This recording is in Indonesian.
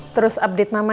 terus update mama ya